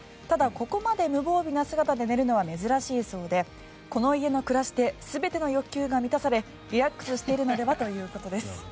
ただ、ここまで無防備な姿で寝るのは珍しいそうでこの家の暮らしで全ての欲求が満たされリラックスしているのではということです。